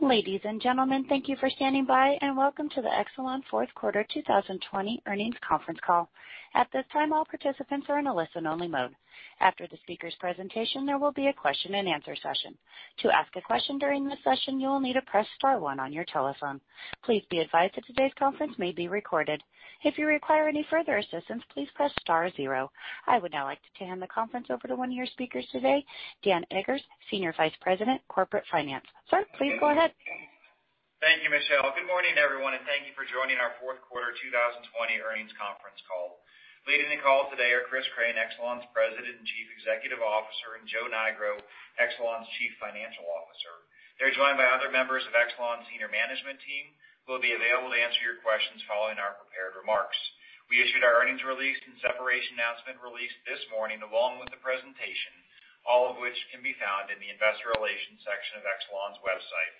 Ladies and gentlemen, thank you for standing by, and welcome to the Exelon fourth quarter 2020 earnings conference call. At this time, all participants are in a listen-only mode. After the speaker's presentation, there will be a question-and-answer session. To ask a question during the session, you will need to press star one on your telephone. Please be advised that today's conference may be recorded. If you require any further assistance, please press star zero. I would now like to hand the conference over to one of your speakers today, Dan Eggers, Senior Vice President, Corporate Finance. Sir, please go ahead. Thank you, Michelle. Good morning, everyone, and thank you for joining our fourth quarter 2020 earnings conference call. Leading the call today are Chris Crane, Exelon's President and Chief Executive Officer, and Joe Nigro, Exelon's Chief Financial Officer. They're joined by other members of Exelon's senior management team, who will be available to answer your questions following our prepared remarks. We issued our earnings release and separation announcement release this morning, along with the presentation, all of which can be found in the investor relations section of Exelon's website.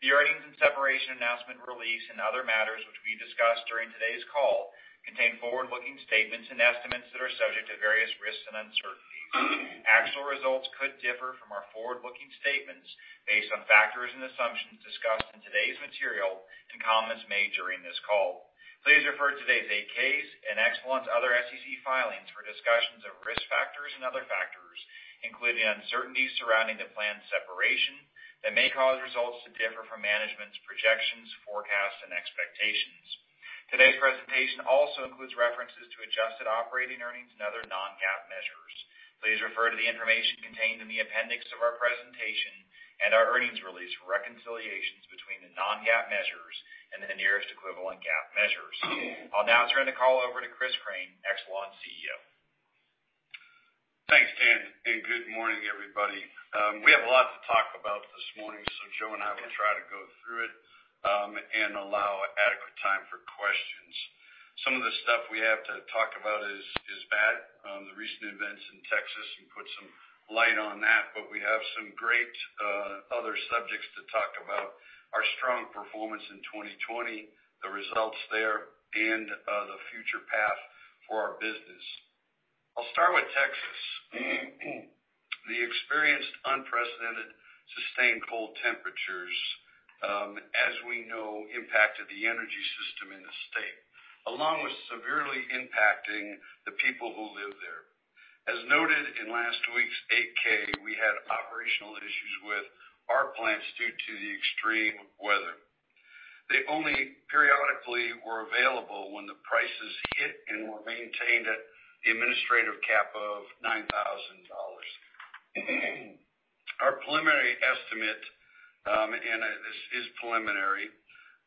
The earnings and separation announcement release and other matters which we discuss during today's call contain forward-looking statements and estimates that are subject to various risks and uncertainties. Actual results could differ from our forward-looking statements based on factors and assumptions discussed in today's material and comments made during this call. Please refer to today's 8-Ks and Exelon's other SEC filings for discussions of risk factors and other factors, including uncertainties surrounding the planned separation that may cause results to differ from management's projections, forecasts, and expectations. Today's presentation also includes references to adjusted operating earnings and other non-GAAP measures. Please refer to the information contained in the appendix of our presentation and our earnings release for reconciliations between the non-GAAP measures and the nearest equivalent GAAP measures. I'll now turn the call over to Chris Crane, Exelon's CEO. Thanks, Dan. Good morning, everybody. We have a lot to talk about this morning. Joe and I will try to go through it and allow adequate time for questions. Some of the stuff we have to talk about is bad. The recent events in Texas, and put some light on that, but we have some great other subjects to talk about. Our strong performance in 2020, the results there, and the future path for our business. I'll start with Texas. The experienced, unprecedented, sustained cold temperatures, as we know, impacted the energy system in the state, along with severely impacting the people who live there. As noted in last week's 8-K, we had operational issues with our plants due to the extreme weather. They only periodically were available when the prices hit and were maintained at the administrative cap of $9,000. Our preliminary estimate, and this is preliminary,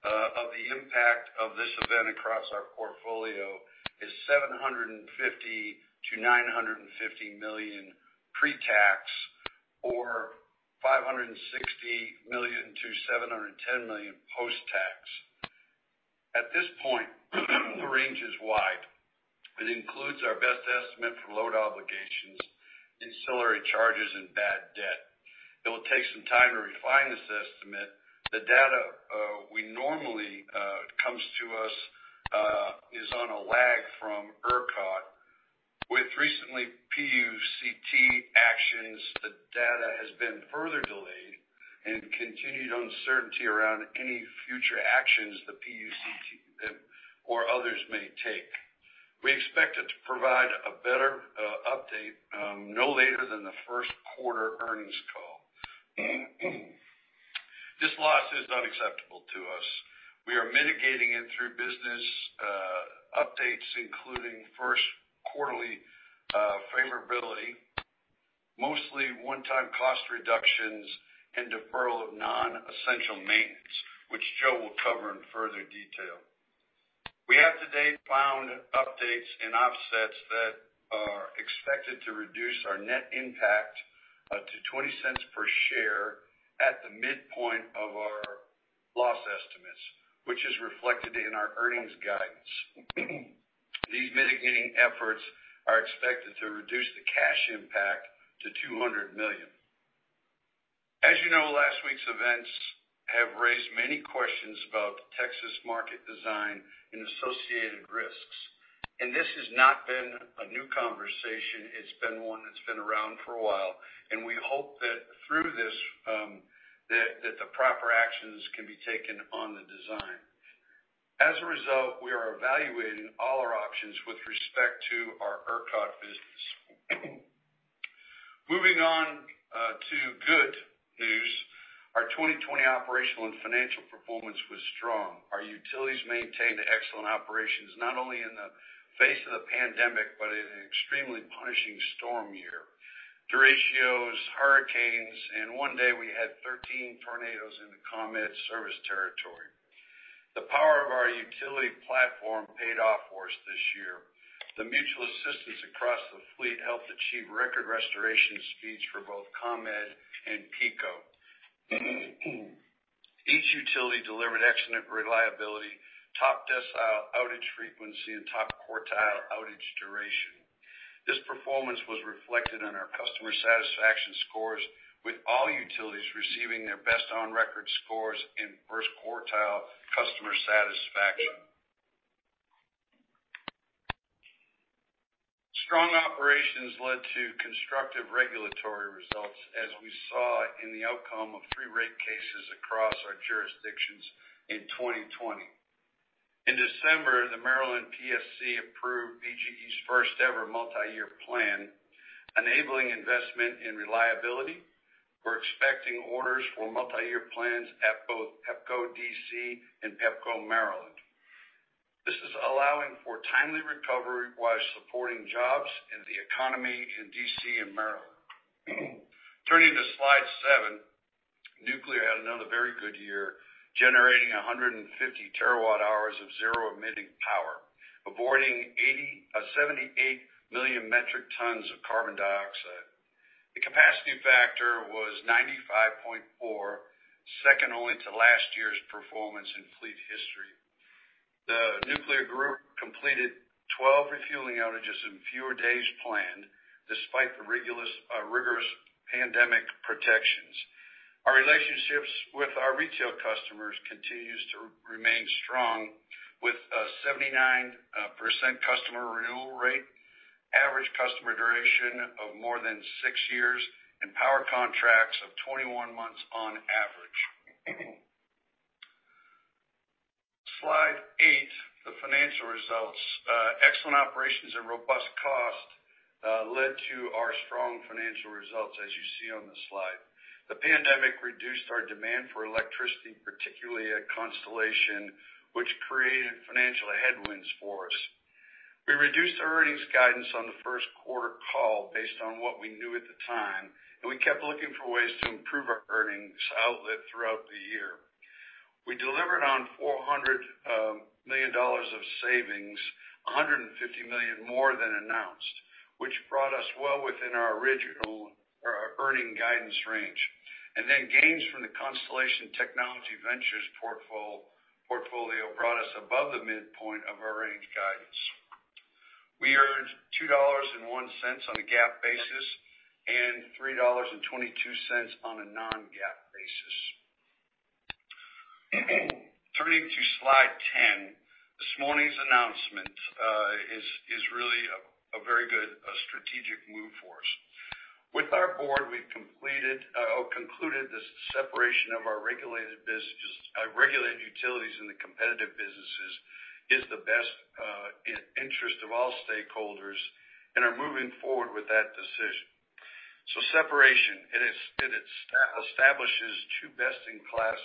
of the impact of this event across our portfolio is $750 million-$950 million pre-tax, or $560 million-$710 million post-tax. At this point, the range is wide. It includes our best estimate for load obligations, ancillary charges, and bad debt. It will take some time to refine this estimate. The data we normally comes to us is on a lag from ERCOT. With recent PUCT actions, the data has been further delayed and continued uncertainty around any future actions the PUCT or others may take. We expect it to provide a better update no later than the first quarter earnings call. This loss is not acceptable to us. We are mitigating it through business updates, including first quarterly favorability, mostly one-time cost reductions, and deferral of non-essential maintenance, which Joe will cover in further detail. We have to date found updates and offsets that are expected to reduce our net impact to $0.20 per share at the midpoint of our loss estimates, which is reflected in our earnings guidance. These mitigating efforts are expected to reduce the cash impact to $200 million. As you know, last week's events have raised many questions about the Texas market design and associated risks. This has not been a new conversation. It's been one that's been around for a while, and we hope that through this, that the proper actions can be taken on the design. As a result, we are evaluating all our options with respect to our ERCOT business. Moving on to good news. Our 2020 operational and financial performance was strong. Our utilities maintained excellent operations, not only in the face of the pandemic, but in an extremely punishing storm year. Derechos, hurricanes, and one day we had 13 tornadoes in the ComEd service territory. The power of our utility platform paid off for us this year. The mutual assistance across the fleet helped achieve record restoration speeds for both ComEd and PECO. Each utility delivered excellent reliability, top decile outage frequency, and top quartile outage duration. This performance was reflected in our customer satisfaction scores, with all utilities receiving their best on record scores in first quartile customer satisfaction. Strong operations led to constructive regulatory results, as we saw in the outcome of three rate cases across our jurisdictions in 2020. In December, the Maryland PSC approved BGE's first-ever multi-year plan, enabling investment in reliability. We're expecting orders for multi-year plans at both Pepco D.C. and Pepco Maryland. This is allowing for timely recovery while supporting jobs and the economy in D.C. and Maryland. Turning to slide seven, nuclear had another very good year, generating 150 terawatt hours of zero-emitting power, avoiding 78 million metric tons of carbon dioxide. The capacity factor was 95.4, second only to last year's performance in fleet history. The nuclear group completed 12 refueling outages in fewer days planned, despite the rigorous pandemic protections. Our relationships with our retail customers continues to remain strong with a 79% customer renewal rate, average customer duration of more than six years, and power contracts of 21 months on average. Slide eight, the financial results. Excellent operations and robust cost led to our strong financial results, as you see on this slide. The pandemic reduced our demand for electricity, particularly at Constellation, which created financial headwinds for us. We reduced our earnings guidance on the first quarter call based on what we knew at the time. We kept looking for ways to improve our earnings outlook throughout the year. We delivered on $400 million of savings, $150 million more than announced, which brought us well within our original earnings guidance range. Gains from the Constellation Technology Ventures portfolio brought us above the midpoint of our range guidance. We earned $2.01 on a GAAP basis and $3.22 on a non-GAAP basis. Turning to slide 10. This morning's announcement is really a very good strategic move for us. With our board, we've concluded the separation of our regulated utilities and the competitive businesses is the best interest of all stakeholders and are moving forward with that decision. Separation, it establishes two best-in-class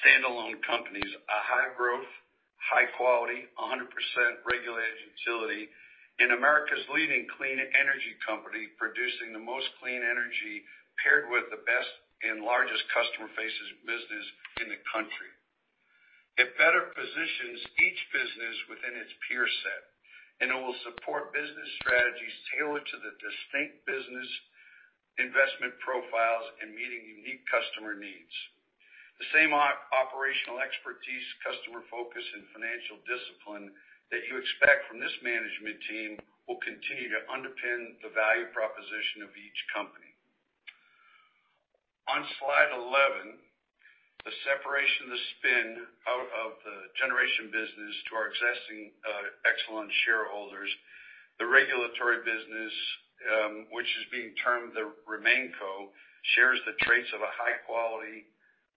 standalone companies. A high growth, high quality, 100% regulated utility, and America's leading clean energy company, producing the most clean energy paired with the best and largest customer-facing business in the country. It will support business strategies tailored to the distinct business investment profiles and meeting unique customer needs. The same operational expertise, customer focus, and financial discipline that you expect from this management team will continue to underpin the value proposition of each company. On slide 11, the separation, the spin out of the generation business to our existing Exelon shareholders. The regulatory business, which is being termed the RemainCo, shares the traits of a high-quality,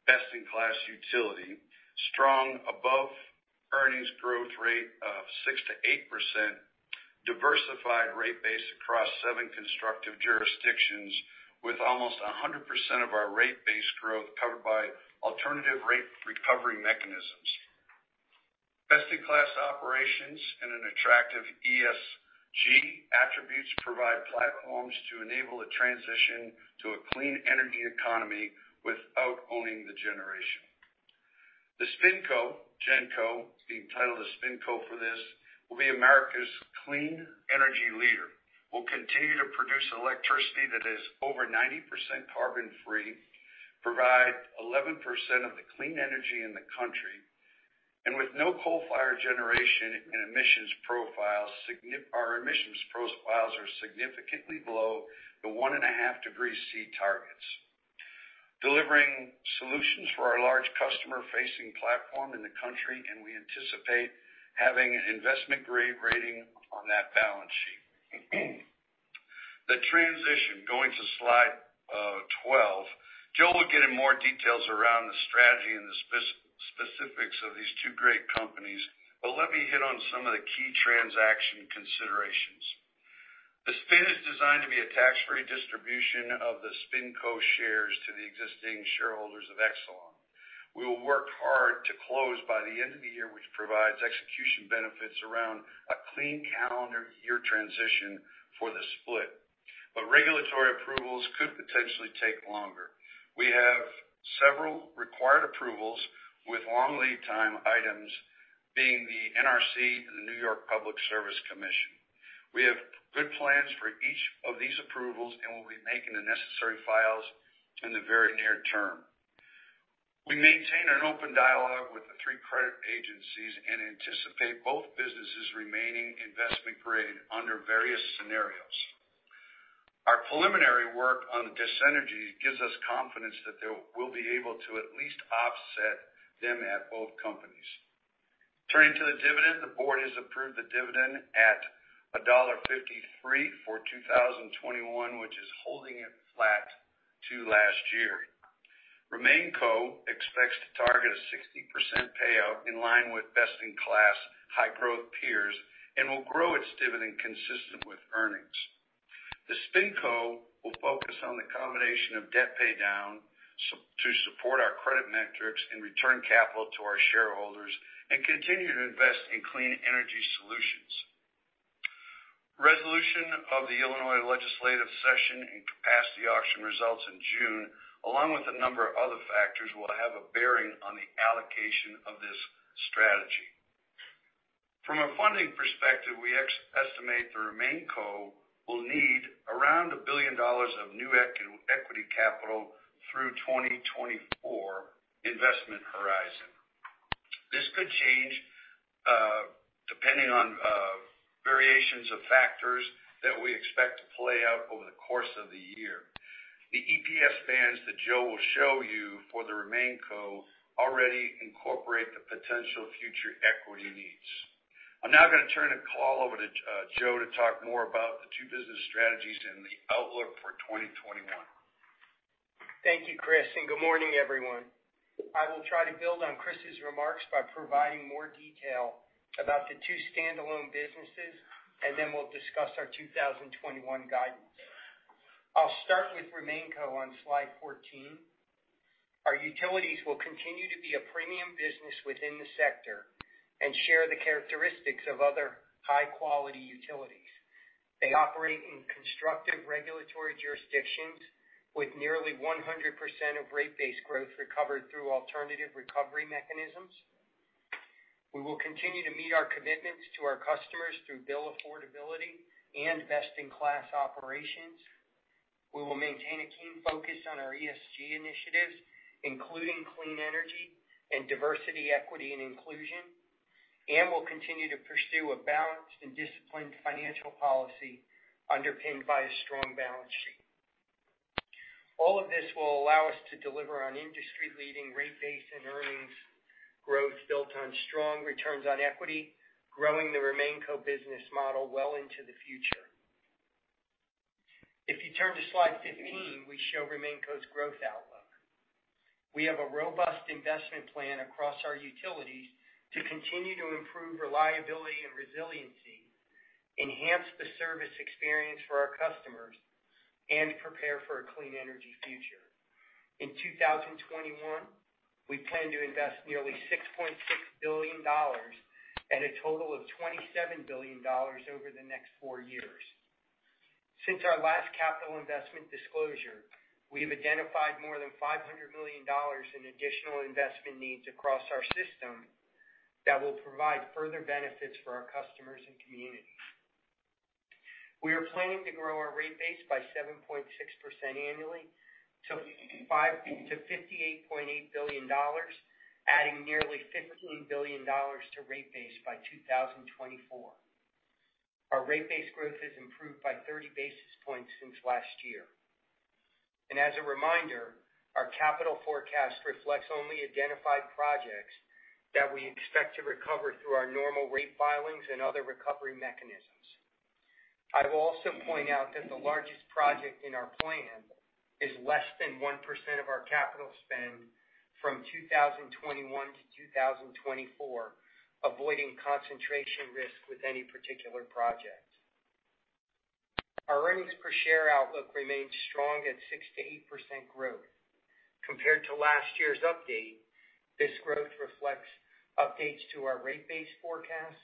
best-in-class utility, strong above earnings growth rate of 6%-8%, diversified rate base across seven constructive jurisdictions with almost 100% of our rate base growth covered by alternative rate recovery mechanisms. Best-in-class operations and an attractive ESG attributes provide platforms to enable a transition to a clean energy economy without owning the generation. The SpinCo, GenCo, being titled a SpinCo for this, will be America's clean energy leader. We'll continue to produce electricity that is over 90% carbon-free, provide 11% of the clean energy in the country, and with no coal-fired generation and our emissions profiles are significantly below the one and a half degrees C targets. Delivering solutions for our large customer-facing platform in the country. We anticipate having investment-grade rating on that balance sheet. The transition, going to slide 12. Joe will get in more details around the strategy and the specifics of these two great companies. Let me hit on some of the key transaction considerations. The spin is designed to be a tax-free distribution of the SpinCo shares to the existing shareholders of Exelon. We will work hard to close by the end of the year, which provides execution benefits around a clean calendar year transition for the split. Regulatory approvals could potentially take longer. We have several required approvals, with long lead time items being the NRC and the New York Public Service Commission. We have good plans for each of these approvals and will be making the necessary files in the very near term. We maintain an open dialogue with the three credit agencies and anticipate both businesses remaining investment grade under various scenarios. Our preliminary work on the dis-synergy gives us confidence that we'll be able to at least offset them at both companies. Turning to the dividend, the board has approved the dividend at $1.53 for 2021, which is holding it flat to last year. RemainCo expects to target a 60% payout in line with best-in-class high-growth peers and will grow its dividend consistent with earnings. The SpinCo will focus on the combination of debt paydown to support our credit metrics and return capital to our shareholders and continue to invest in clean energy solutions. Resolution of the Illinois legislative session and capacity auction results in June, along with a number of other factors, will have a bearing on the allocation of this strategy. From a funding perspective, we estimate the RemainCo will need around $1 billion of new equity capital through 2024 investment horizon. This could change depending on variations of factors that we expect to play out over the course of the year. The EPS bands that Joe will show you for the RemainCo already incorporate the potential future equity needs. I'm now going to turn the call over to Joe to talk more about the two business strategies and the outlook for 2021. Thank you, Chris, and good morning, everyone. I will try to build on Chris's remarks by providing more detail about the two standalone businesses, and then we'll discuss our 2021 guidance. I'll start with RemainCo on slide 14. Our utilities will continue to be a premium business within the sector and share the characteristics of other high-quality utilities. They operate in constructive regulatory jurisdictions with nearly 100% of rate base growth recovered through alternative recovery mechanisms. We will continue to meet our commitments to our customers through bill affordability and best-in-class operations. We will maintain a keen focus on our ESG initiatives, including clean energy and diversity, equity, and inclusion. We'll continue to pursue a balanced and disciplined financial policy underpinned by a strong balance sheet. All of this will allow us to deliver on industry-leading rate base and earnings growth built on strong returns on equity, growing the RemainCo business model well into the future. If you turn to slide 15, we show RemainCo's growth outlook. We have a robust investment plan across our utilities to continue to improve reliability and resiliency, enhance the service experience for our customers, and prepare for a clean energy future. In 2021, we plan to invest nearly $6.6 billion and a total of $27 billion over the next four years. Since our last capital investment disclosure, we have identified more than $500 million in additional investment needs across our system that will provide further benefits for our customers and communities. We are planning to grow our rate base by 7.6% annually to $58.8 billion, adding nearly $15 billion to rate base by 2024. Our rate base growth has improved by 30 basis points since last year. As a reminder, our capital forecast reflects only identified projects that we expect to recover through our normal rate filings and other recovery mechanisms. I will also point out that the largest project in our plan is less than 1% of our capital spend from 2021 to 2024, avoiding concentration risk with any particular project. Our earnings per share outlook remains strong at 6%-8% growth. Compared to last year's update, this growth reflects updates to our rate base forecast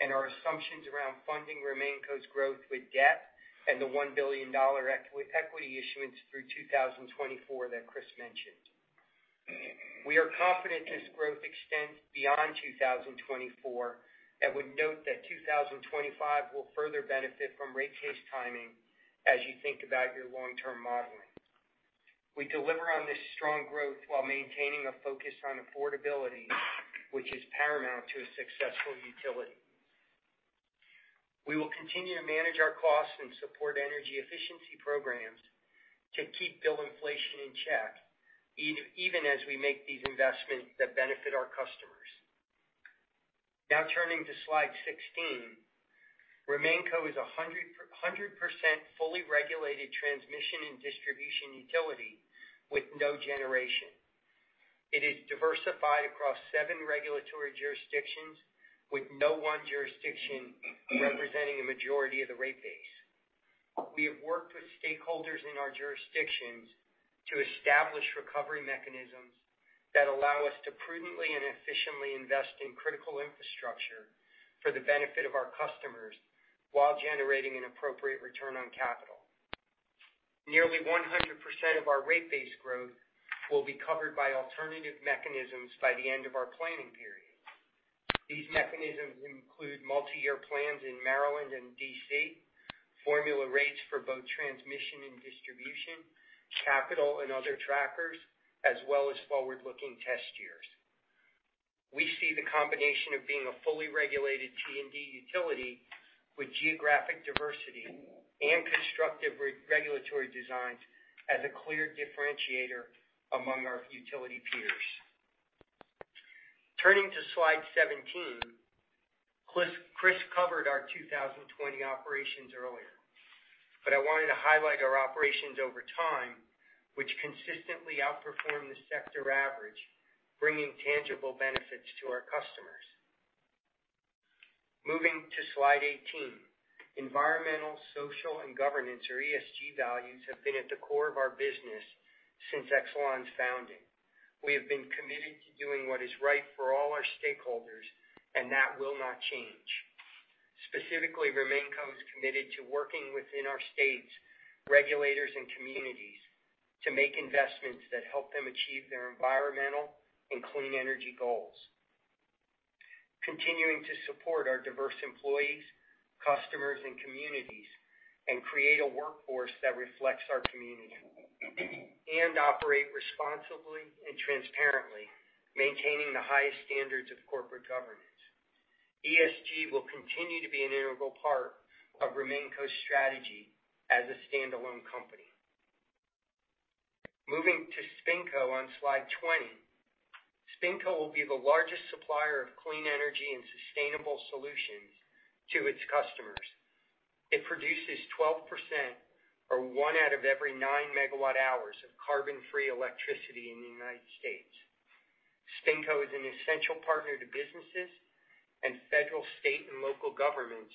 and our assumptions around funding RemainCo's growth with debt and the $1 billion equity issuance through 2024 that Chris mentioned. We are confident this growth extends beyond 2024 and would note that 2025 will further benefit from rate case timing as you think about your long-term modeling. We deliver on this strong growth while maintaining a focus on affordability, which is paramount to a successful utility. We will continue to manage our costs and support energy efficiency programs to keep bill inflation in check, even as we make these investments that benefit our customers. Now turning to slide 16. RemainCo is a 100% fully regulated transmission and distribution utility with no generation. It is diversified across seven regulatory jurisdictions, with no one jurisdiction representing a majority of the rate base. We have worked with stakeholders in our jurisdictions to establish recovery mechanisms that allow us to prudently and efficiently invest in critical infrastructure for the benefit of our customers while generating an appropriate return on capital. Nearly 100% of our rate base growth will be covered by alternative mechanisms by the end of our planning period. These mechanisms include multi-year plans in Maryland and D.C., formula rates for both transmission and distribution, capital and other trackers, as well as forward-looking test years. We see the combination of being a fully regulated T&D utility with geographic diversity and constructive regulatory designs as a clear differentiator among our utility peers. Turning to slide 17, Chris covered our 2020 operations earlier. I wanted to highlight our operations over time, which consistently outperform the sector average, bringing tangible benefits to our customers. Moving to slide 18. Environmental, social, and governance, or ESG values, have been at the core of our business since Exelon's founding. We have been committed to doing what is right for all our stakeholders. That will not change. Specifically, RemainCo is committed to working within our states' regulators and communities to make investments that help them achieve their environmental and clean energy goals, continuing to support our diverse employees, customers, and communities, and create a workforce that reflects our community, and operate responsibly and transparently, maintaining the highest standards of corporate governance. ESG will continue to be an integral part of RemainCo's strategy as a standalone company. Moving to SpinCo on slide 20. SpinCo will be the largest supplier of clean energy and sustainable solutions to its customers. It produces 12%, or one out of every 9 MWh of carbon-free electricity in the U.S. SpinCo is an essential partner to businesses and federal, state, and local governments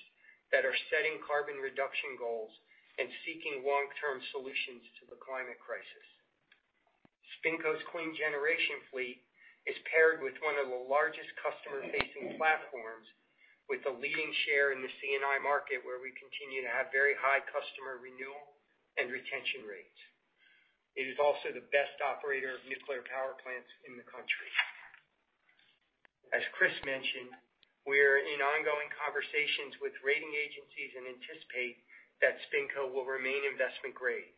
that are setting carbon reduction goals and seeking long-term solutions to the climate crisis. SpinCo's clean generation fleet is paired with one of the largest customer-facing platforms with a leading share in the C&I market, where we continue to have very high customer renewal and retention rates. It is also the best operator of nuclear power plants in the country. As Chris mentioned, we're in ongoing conversations with rating agencies and anticipate that SpinCo will remain investment grade.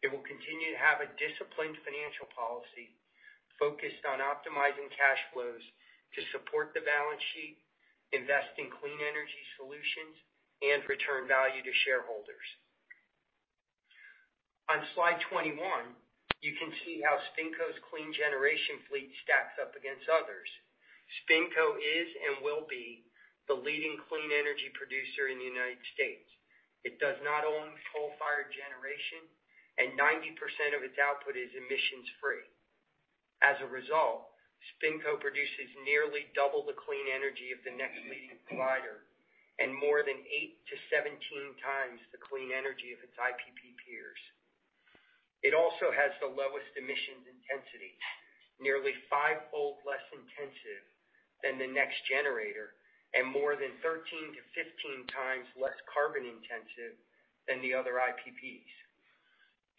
It will continue to have a disciplined financial policy focused on optimizing cash flows to support the balance sheet, invest in clean energy solutions, and return value to shareholders. On slide 21, you can see how SpinCo's clean generation fleet stacks up against others. SpinCo is and will be the leading clean energy producer in the United States. It does not own coal-fired generation, and 90% of its output is emissions-free. As a result, SpinCo produces nearly double the clean energy of the next leading provider and more than 8x to 17x the clean energy of its IPP peers. It also has the lowest emissions intensity, nearly fivefold less intensive than the next generator, and more than 13x to 15x less carbon intensive than the other IPPs.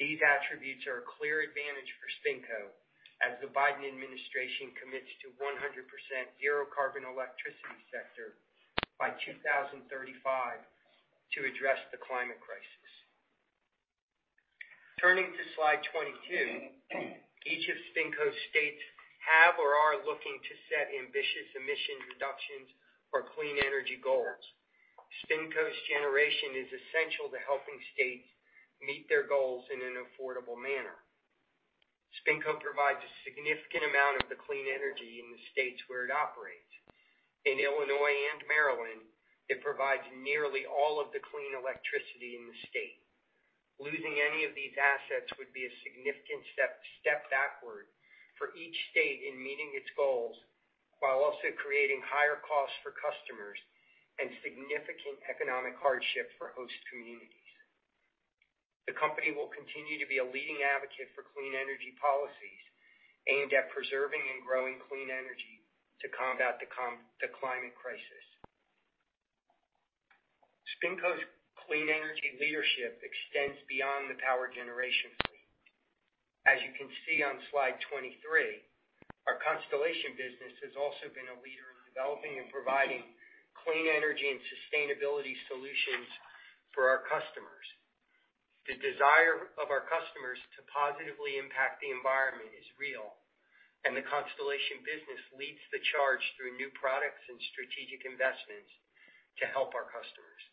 These attributes are a clear advantage for SpinCo as the Biden administration commits to 100% zero carbon electricity sector by 2035 to address the climate crisis. Turning to slide 22. Each of SpinCo's states have or are looking to set ambitious emission reductions or clean energy goals. SpinCo's generation is essential to helping states meet their goals in an affordable manner. SpinCo provides a significant amount of the clean energy in the states where it operates. In Illinois and Maryland, it provides nearly all of the clean electricity in the state. Losing any of these assets would be a significant step backward for each state in meeting its goals, while also creating higher costs for customers and significant economic hardship for host communities. The company will continue to be a leading advocate for clean energy policies aimed at preserving and growing clean energy to combat the climate crisis. SpinCo's clean energy leadership extends beyond the power generation fleet. As you can see on slide 23, our Constellation business has also been a leader in developing and providing clean energy and sustainability solutions for our customers. The desire of our customers to positively impact the environment is real, and the Constellation business leads the charge through new products and strategic investments to help our customers.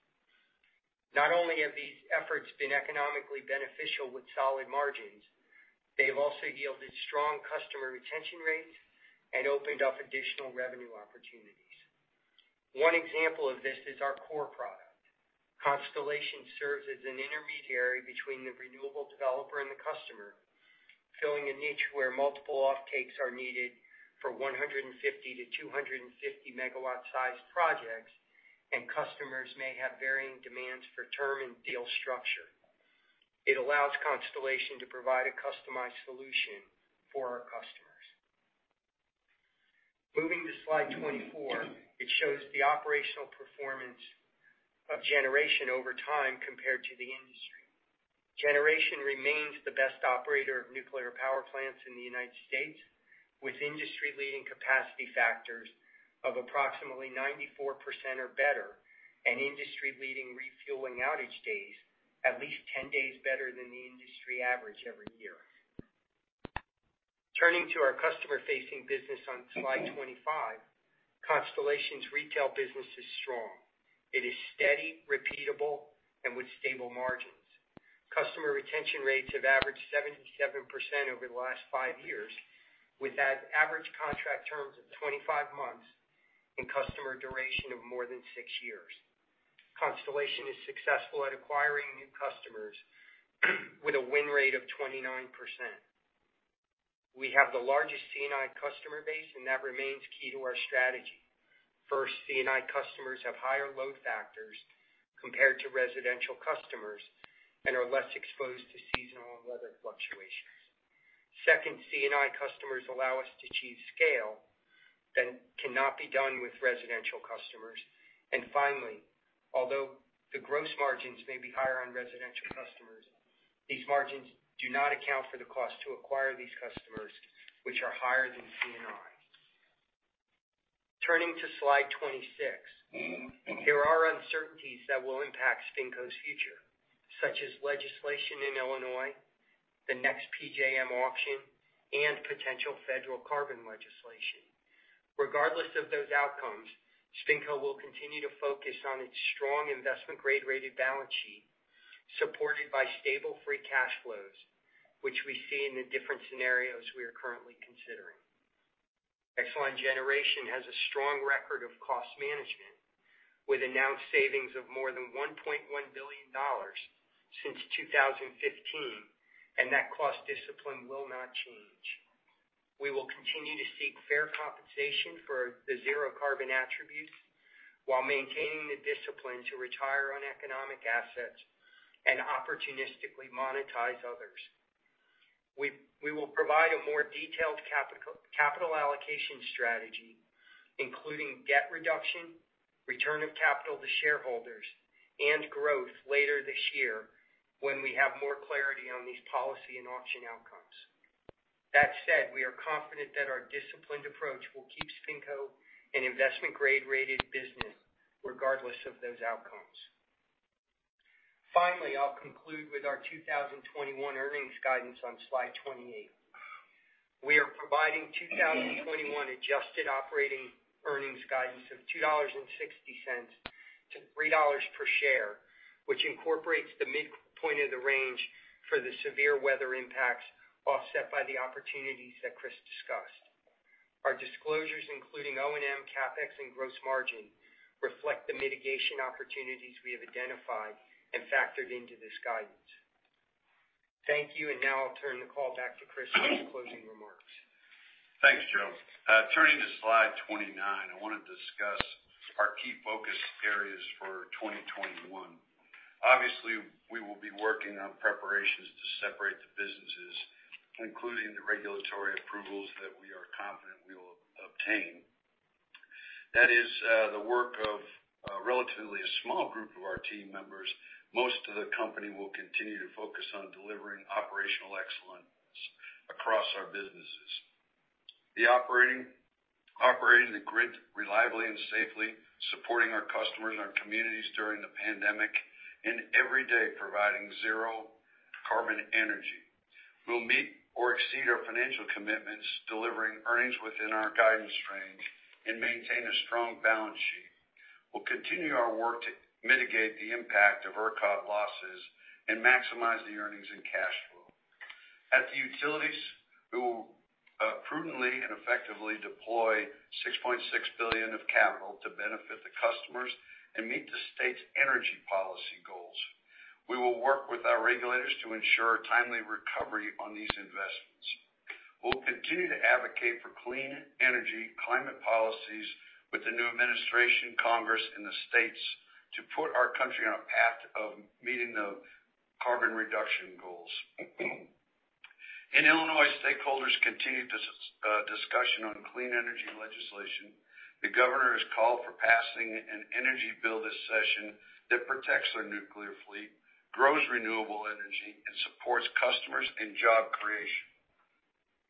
Not only have these efforts been economically beneficial with solid margins, they've also yielded strong customer retention rates and opened up additional revenue opportunities. One example of this is our core product. Constellation serves as an intermediary between the renewable developer and the customer, filling a niche where multiple offtakes are needed for 150 MW to 250 MW sized projects, and customers may have varying demands for term and deal structure. It allows Constellation to provide a customized solution for our customers. Moving to slide 24. It shows the operational performance of generation over time compared to the industry. Generation remains the best operator of nuclear power plants in the United States, with industry-leading capacity factors of approximately 94% or better and industry-leading refueling outage days, at least 10 days better than the industry average every year. Turning to our customer-facing business on slide 25, Constellation's retail business is strong. It is steady, repeatable, and with stable margins. Customer retention rates have averaged 77% over the last five years, with average contract terms of 25 months and customer duration of more than six years. Constellation is successful at acquiring new customers with a win rate of 29%. We have the largest C&I customer base. That remains key to our strategy. First, C&I customers have higher load factors compared to residential customers and are less exposed to seasonal and weather fluctuations. Second, C&I customers allow us to achieve scale that cannot be done with residential customers. Finally, although the gross margins may be higher on residential customers, these margins do not account for the cost to acquire these customers, which are higher than C&I. Turning to slide 26, there are uncertainties that will impact SpinCo's future, such as legislation in Illinois, the next PJM auction, and potential federal carbon legislation. Regardless of those outcomes, SpinCo will continue to focus on its strong investment-grade rated balance sheet, supported by stable free cash flows, which we see in the different scenarios we are currently considering. Exelon Generation has a strong record of cost management, with announced savings of more than $1.1 billion since 2015. That cost discipline will not change. We will continue to seek fair compensation for the zero-carbon attributes while maintaining the discipline to retire economic assets and opportunistically monetize others. We will provide a more detailed capital allocation strategy, including debt reduction, return of capital to shareholders, and growth later this year when we have more clarity on these policy and auction outcomes. That said, we are confident that our disciplined approach will keep SpinCo an investment-grade rated business regardless of those outcomes. Finally, I'll conclude with our 2021 earnings guidance on slide 28. We are providing 2021 adjusted operating earnings guidance of $2.60-$3 per share, which incorporates the midpoint of the range for the severe weather impacts, offset by the opportunities that Chris discussed. Our disclosures, including O&M, CapEx, and gross margin, reflect the mitigation opportunities we have identified and factored into this guidance. Thank you. Now I'll turn the call back to Chris for his closing remarks. Thanks, Joe. Turning to slide 29, I want to discuss our key focus areas for 2021. Obviously, we will be working on preparations to separate the businesses, including the regulatory approvals that we are confident we will obtain. That is the work of a relatively small group of our team members. Most of the company will continue to focus on delivering operational excellence across our businesses, operating the grid reliably and safely, supporting our customers and our communities during the pandemic, and every day providing zero carbon energy. We'll meet or exceed our financial commitments, delivering earnings within our guidance range and maintain a strong balance sheet. We'll continue our work to mitigate the impact of ERCOT losses and maximize the earnings and cash flow. At the utilities, we will prudently and effectively deploy $6.6 billion of capital to benefit the customers and meet the state's energy policy goals. We will work with our regulators to ensure a timely recovery on these investments. We'll continue to advocate for clean energy climate policies with the new administration, Congress, and the states to put our country on a path of meeting the carbon reduction goals. In Illinois, stakeholders continue discussion on clean energy legislation. The governor has called for passing an energy bill this session that protects our nuclear fleet, grows renewable energy, and supports customers and job creation.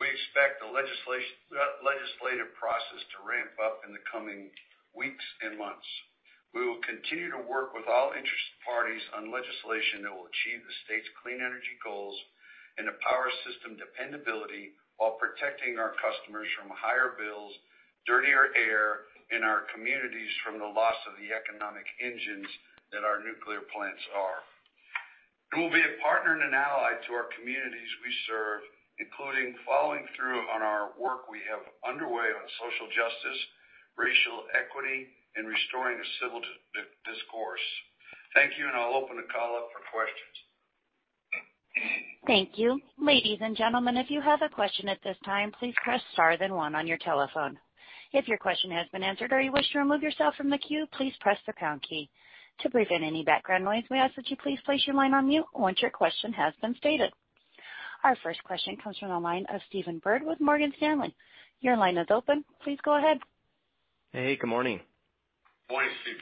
We expect the legislative process to ramp up in the coming weeks and months. We will continue to work with all interested parties on legislation that will achieve the state's clean energy goals and the power system dependability while protecting our customers from higher bills, dirtier air in our communities from the loss of the economic engines that our nuclear plants are. We will be a partner and an ally to our communities we serve, including following through on our work we have underway on social justice, racial equity, and restoring a civil discourse. Thank you, and I'll open the call up for questions. Thank you. Ladies and gentlemen, if you have a question at this time, please press star then one on your telephone. If your question has been answered or you wish to remove yourself from the queue, please press the pound key. To prevent any background noise, we ask that you please place your line on mute once your question has been stated. Our first question comes from the line of Stephen Byrd with Morgan Stanley. Your line is open. Please go ahead. Hey, good morning. Morning, Steve.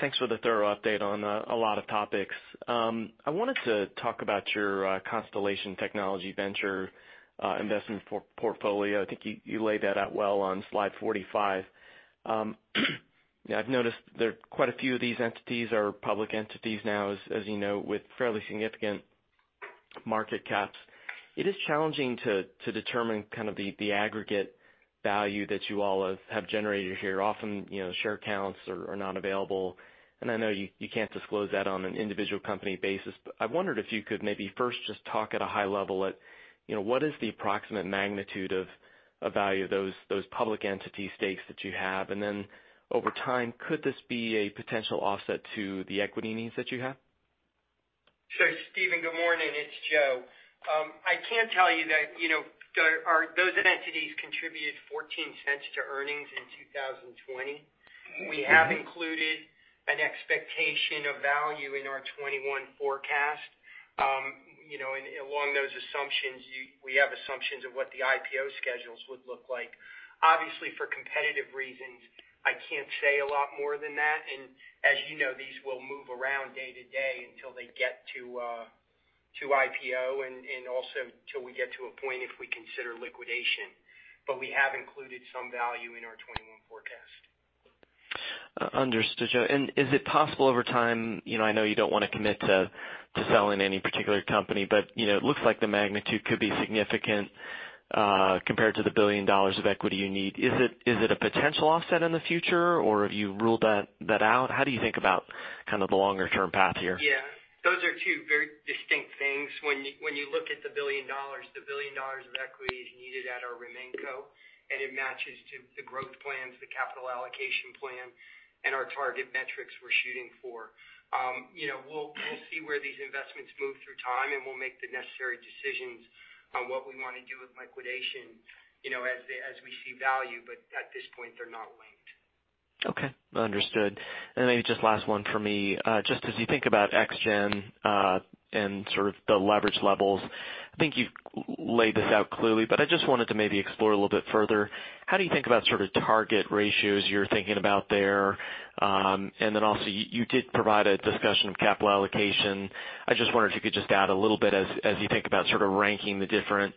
Thanks for the thorough update on a lot of topics. I wanted to talk about your Constellation Technology Ventures investment portfolio. I think you laid that out well on slide 45. I've noticed quite a few of these entities are public entities now, as you know, with fairly significant market caps. It is challenging to determine the aggregate value that you all have generated here. Often, share counts are not available. I know you can't disclose that on an individual company basis, but I wondered if you could maybe first just talk at a high level at what is the approximate magnitude of value of those public entity stakes that you have? Then over time, could this be a potential offset to the equity needs that you have? Stephen, good morning. It's Joe. I can tell you that those entities contributed $0.14 to earnings in 2020. We have included an expectation of value in our 2021 forecast. Along those assumptions, we have assumptions of what the IPO schedules would look like. Obviously, for competitive reasons, I can't say a lot more than that. As you know, these will move around day to day until they get to IPO and also till we get to a point if we consider liquidation. We have included some value in our 2021 forecast. Understood, Joe. Is it possible over time, I know you don't want to commit to selling any particular company, but it looks like the magnitude could be significant compared to the billion dollars of equity you need. Is it a potential offset in the future, or have you ruled that out? How do you think about the longer-term path here? Yeah. Those are two very distinct things. When you look at the $1 billion, the $1 billion of equity is needed at our RemainCo, and it matches to the growth plans, the capital allocation plan, and our target metrics we're shooting for. We'll see where these investments move through time, and we'll make the necessary decisions on what we want to do with liquidation as we see value. At this point, they're not linked. Okay. Understood. Maybe just last one for me. Just as you think about ExGen, and sort of the leverage levels, I think you've laid this out clearly, but I just wanted to maybe explore a little bit further. How do you think about sort of target ratios you're thinking about there? You did provide a discussion of capital allocation. I just wondered if you could just add a little bit as you think about sort of ranking the different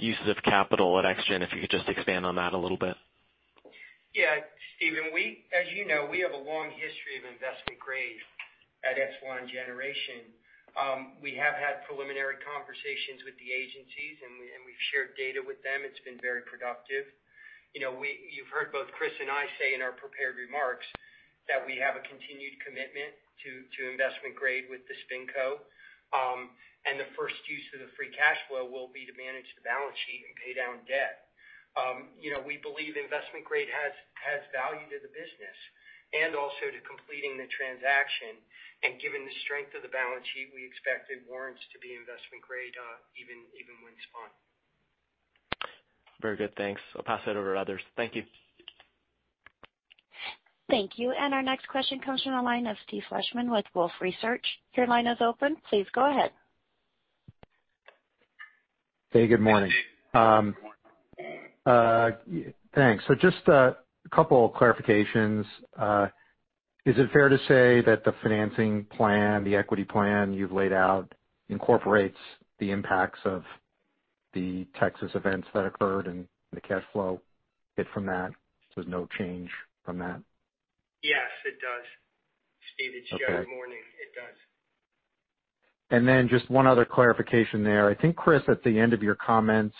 uses of capital at ExGen, if you could just expand on that a little bit. Yeah, Stephen, as you know, we have a long history of investment grade at Exelon Generation. We have had preliminary conversations with the agencies, and we've shared data with them. It's been very productive. You've heard both Chris and I say in our prepared remarks that we have a continued commitment to investment grade with the SpinCo. The first use of the free cash flow will be to manage the balance sheet and pay down debt. We believe investment grade has value to the business and also to completing the transaction. Given the strength of the balance sheet, we expect it warrants to be investment grade even when spun. Very good. Thanks. I'll pass it over to others. Thank you. Thank you. Our next question comes from the line of Steve Fleishman with Wolfe Research. Your line is open. Please go ahead. Hey, good morning. Thanks. Just a couple of clarifications. Is it fair to say that the financing plan, the equity plan you've laid out incorporates the impacts of the Texas events that occurred and the cash flow hit from that? There's no change from that? Yes, it does. Steve, it's Joe. Okay. Good morning. It does. Just one other clarification there. I think, Chris, at the end of your comments,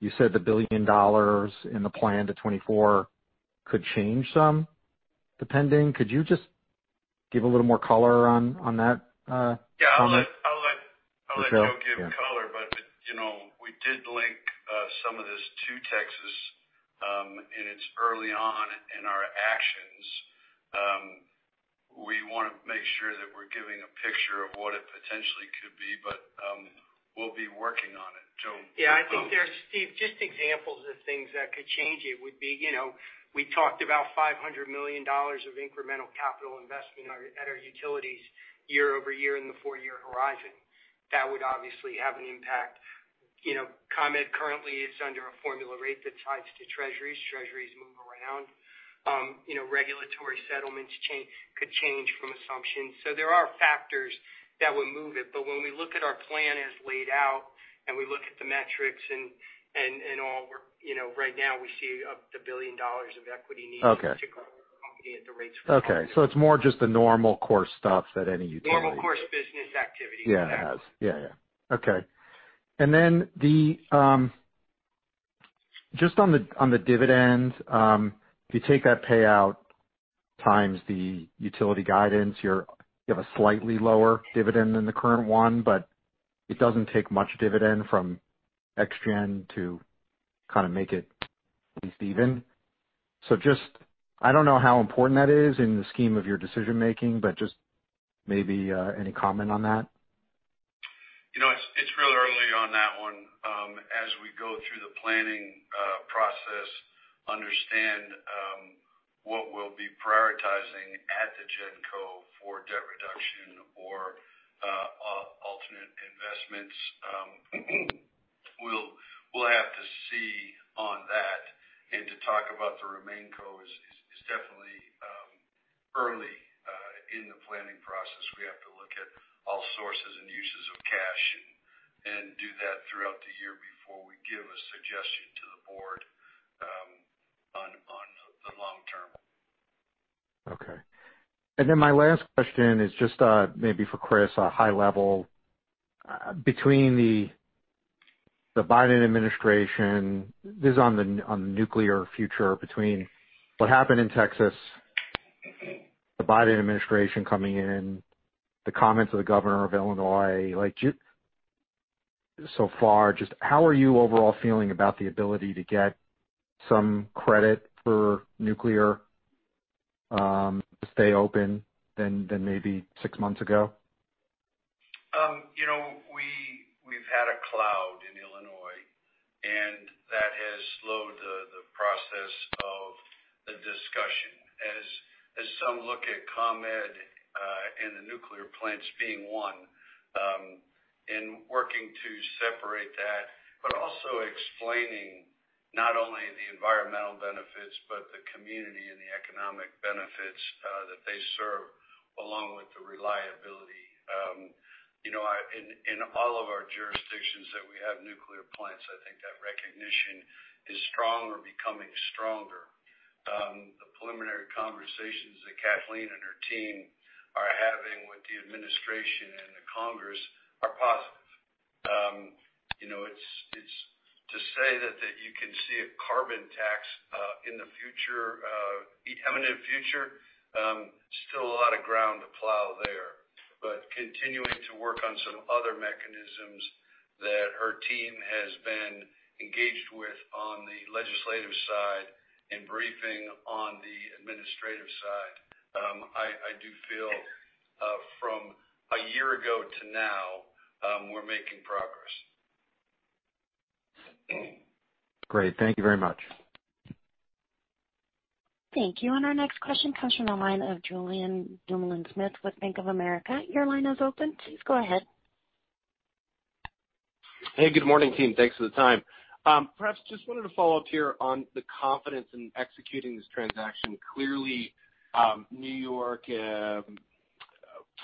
you said the $1 billion in the plan to 2024 could change some, depending. Could you just give a little more color on that comment? Yeah. I'll let Joe give color. Yeah. We did link some of this to Texas, and it's early on in our actions. We want to make sure that we're giving a picture of what it potentially could be, but we'll be working on it. Joe. Yeah. I think there are, Steve, just examples of things that could change it would be, we talked about $500 million of incremental capital investment at our utilities year over year in the four-year horizon. That would obviously have an impact. ComEd currently is under a formula rate that ties to Treasuries. Treasuries move around. Regulatory settlements could change from assumptions. There are factors that would move it. When we look at our plan as laid out and we look at the metrics and all, right now we see the $1 billion of equity needed- Okay. to grow our company at the rates we're targeting. Okay. It's more just the normal course stuffs that any utility. Normal course business activity. Yeah. Okay. Then just on the dividends, if you take that payout times the utility guidance, you have a slightly lower dividend than the current one, but it doesn't take much dividend from ExGen to kind of make it at least even. I don't know how important that is in the scheme of your decision-making, but just maybe any comment on that? It's real early on that one. As we go through the planning process, understand what we'll be prioritizing at the GenCo for debt reduction or alternate investments. We'll have to see on that. To talk about the RemainCo is definitely early in the planning process. We have to look at all sources and uses of cash and do that throughout the year before we give a suggestion to the board on the long term. My last question is just maybe for Chris, a high level between the Biden administration. This is on the nuclear future between what happened in Texas, the Biden administration coming in, the comments of the governor of Illinois. Just how are you overall feeling about the ability to get some credit for nuclear to stay open than maybe six months ago? We've had a cloud in Illinois, and that has slowed the process of the discussion as some look at ComEd and the nuclear plants being one, and working to separate that, but also explaining not only the environmental benefits, but the community and the economic benefits that they serve, along with the reliability. In all of our jurisdictions that we have nuclear plants, I think that recognition is strong or becoming stronger. The preliminary conversations that Kathleen and her team are having with the administration and the Congress are positive. To say that you can see a carbon tax in the future, the imminent future, still a lot of ground to plow there. Continuing to work on some other mechanisms that her team has been engaged with on the legislative side and briefing on the administrative side. I do feel, from a year ago to now, we're making progress. Great. Thank you very much. Thank you. Our next question comes from the line of Julien Dumoulin-Smith with Bank of America. Your line is open. Please go ahead. Hey, good morning, team. Thanks for the time. Perhaps just wanted to follow up here on the confidence in executing this transaction. Clearly, New York,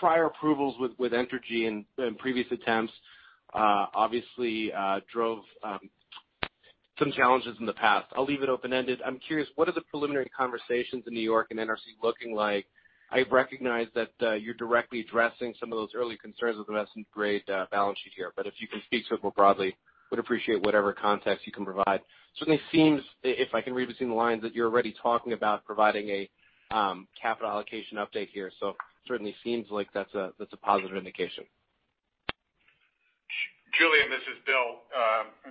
prior approvals with Entergy and previous attempts obviously drove some challenges in the past. I'll leave it open-ended. I'm curious, what are the preliminary conversations in New York and NRC looking like? I recognize that you're directly addressing some of those early concerns with investment-grade balance sheet here, but if you can speak to it more broadly, would appreciate whatever context you can provide. Certainly seems, if I can read between the lines, that you're already talking about providing a capital allocation update here, so certainly seems like that's a positive indication. Julien, this is Bill.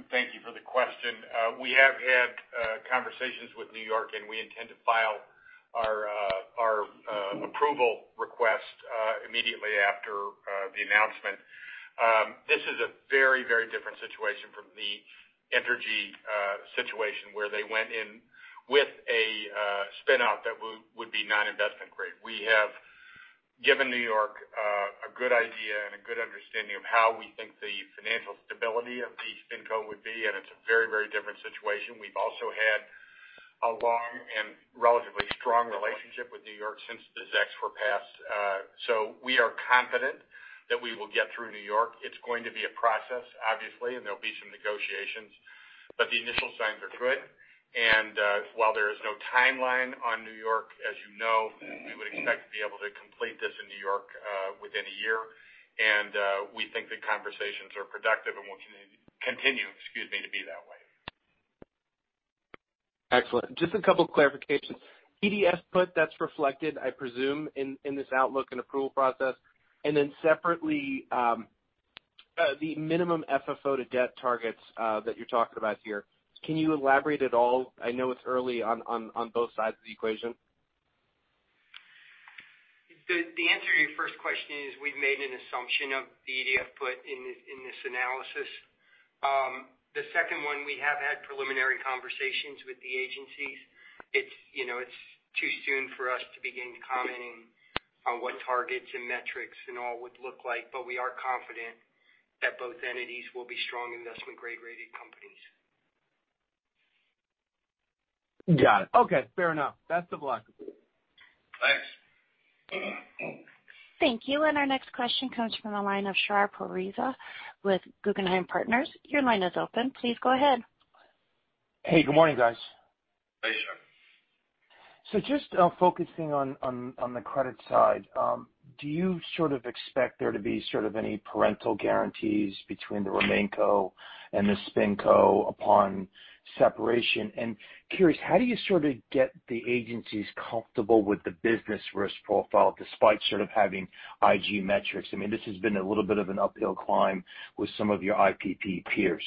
Thank you for the question. We have had conversations with New York, and we intend to file our approval request immediately after the announcement. This is a very different situation from the Entergy situation, where they went in with a spin-out that would be non-investment grade. We have given New York a good idea and a good understanding of how we think the financial stability of the SpinCo would be, and it's a very different situation. We've also had a long and relatively strong relationship with New York since the ZECs were passed. We are confident that we will get through New York. It's going to be a process, obviously, and there'll be some negotiations, but the initial signs are good. While there is no timeline on New York, as you know, we would expect to be able to complete this in New York within a year. We think the conversations are productive and will continue to be that way. Excellent. Just a couple clarifications. EDF put that's reflected, I presume, in this outlook and approval process. Separately, the minimum FFO to debt targets that you're talking about here. Can you elaborate at all? I know it's early on both sides of the equation. The answer to your first question is we've made an assumption of the EDF put in this analysis. The second one, we have had preliminary conversations with the agencies. It's too soon for us to begin commenting on what targets and metrics and all would look like. We are confident that both entities will be strong investment-grade rated companies. Got it. Okay, fair enough. Best of luck. Thanks. Thank you. Our next question comes from the line of Shar Pourreza with Guggenheim Partners. Your line is open. Please go ahead. Hey, good morning, guys. Hey, Shar. Just focusing on the credit side. Do you sort of expect there to be sort of any parental guarantees between the RemainCo and the SpinCo upon separation? Curious, how do you sort of get the agencies comfortable with the business risk profile despite sort of having IG metrics? I mean, this has been a little bit of an uphill climb with some of your IPP peers.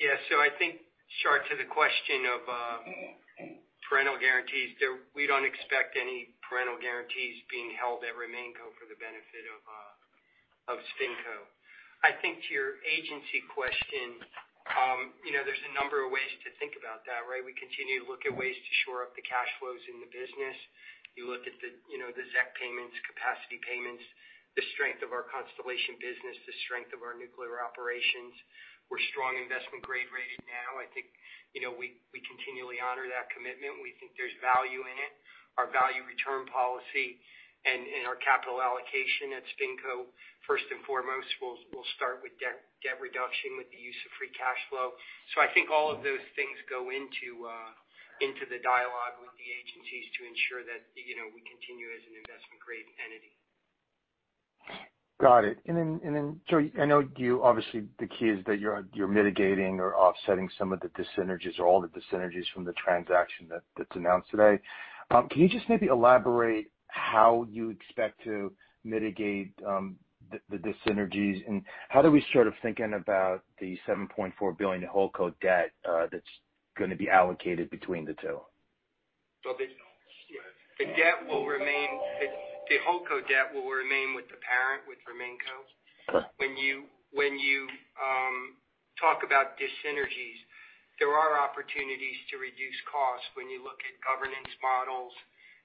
Yeah. I think, Shar, to the question of parental guarantees there, we don't expect any parental guarantees being held at RemainCo for the benefit of SpinCo. I think to your agency question. There's a number of ways to think about that, right? We continue to look at ways to shore up the cash flows in the business. You look at the ZEC payments, capacity payments, the strength of our Constellation business, the strength of our nuclear operations. We're strong investment grade rated now. I think we continually honor that commitment. We think there's value in it. Our value return policy and our capital allocation at SpinCo, first and foremost, we'll start with debt reduction with the use of free cash flow. I think all of those things go into the dialogue with the agencies to ensure that we continue as an investment grade entity. Got it. Joe, I know obviously the key is that you're mitigating or offsetting some of the dyssynergies or all the dyssynergies from the transaction that's announced today. Can you just maybe elaborate how you expect to mitigate the dyssynergies, and how do we start thinking about the $7.4 billion of HoldCo debt that's going to be allocated between the two? Well, the HoldCo debt will remain with the parent, with RemainCo. Okay. When you talk about dyssynergies, there are opportunities to reduce costs when you look at governance models,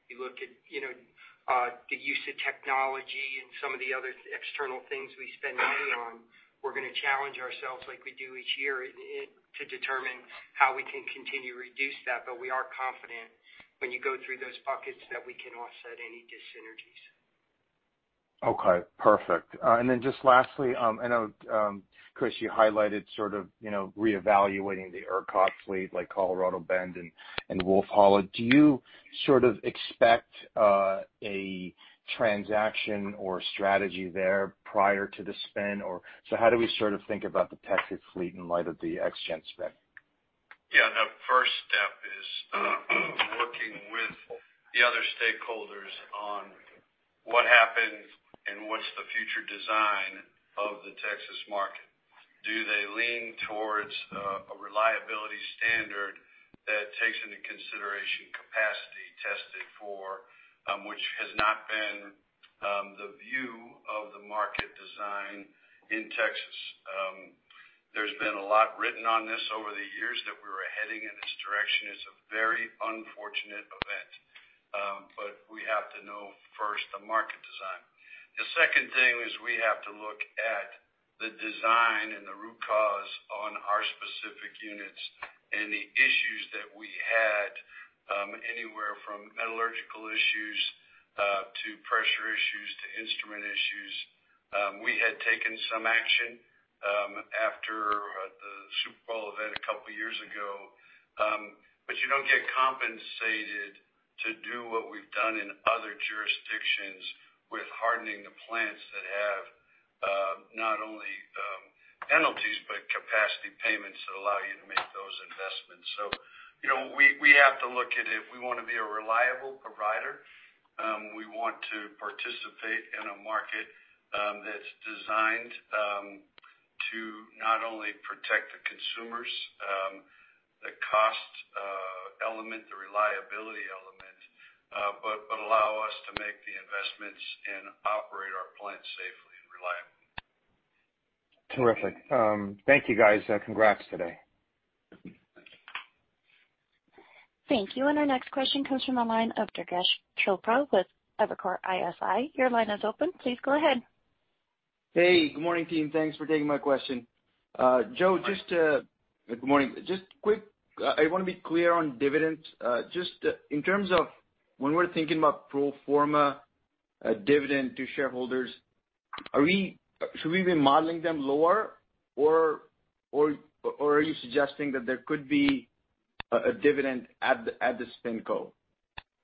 you look at the use of technology and some of the other external things we spend money on. We're going to challenge ourselves like we do each year to determine how we can continue to reduce that. We are confident when you go through those buckets, that we can offset any dyssynergies. Okay, perfect. Then just lastly, I know, Chris, you highlighted sort of reevaluating the ERCOT fleet like Colorado Bend and Wolf Hollow. Do you sort of expect a transaction or strategy there prior to the spin? How do we sort of think about the Texas fleet in light of the ExGen spin? Yeah. The first step is working with the other stakeholders on what happened and what's the future design of the Texas market. Do they lean towards a reliability standard that takes into consideration capacity testing for, which has not been the view of the market design in Texas. There's been a lot written on this over the years that we were heading in this direction. It's a very unfortunate event. We have to know first the market design. The second thing is we have to look at the design and the root cause on our specific units and the issues that we had, anywhere from metallurgical issues, to pressure issues, to instrument issues. We had taken some action after the Super Bowl event a couple of years ago. You don't get compensated to do what we've done in other jurisdictions with hardening the plants that have not only penalties but capacity payments that allow you to make those investments. We have to look at it. We want to be a reliable provider. We want to participate in a market that's designed to not only protect the consumers, the cost element, the reliability element, but allow us to make the investments and operate our plants safely and reliably. Terrific. Thank you guys. Congrats today. Thank you. Our next question comes from the line of Durgesh Chopra with Evercore ISI. Your line is open. Please go ahead. Hey, good morning, team. Thanks for taking my question. Joe, good morning. Just quick, I want to be clear on dividends. Just in terms of when we're thinking about pro forma dividend to shareholders, should we be modeling them lower or are you suggesting that there could be a dividend at the SpinCo?